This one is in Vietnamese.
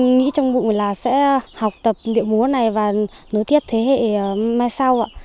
em nghĩ trong bụng là sẽ học tập điệu múa này và nối tiếp thế hệ mai sau ạ